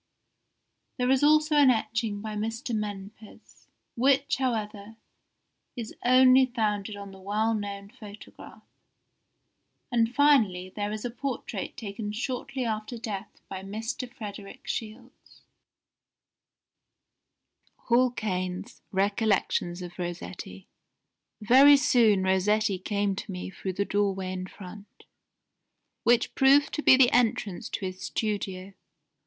There is also an etching by Mr. Menpes, which, however, is only founded on the well known photograph; and, finally, there is a portrait taken shortly after death by Mr. Frederick Shields." [Sidenote: Hall Caine's Recollections of Rossetti.] "Very soon Rossetti came to me through the doorway in front, which proved to be the entrance to his studio.